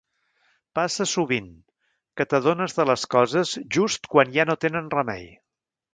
Passa sovint, que t'adones de les coses just quan ja no tenen remei.